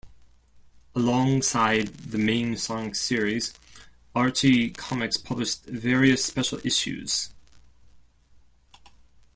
Alongside the main Sonic series, Archie Comics published various special issues.